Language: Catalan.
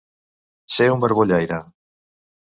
Ser un barbollaire.